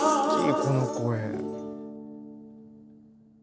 この声。